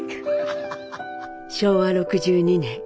昭和６２年。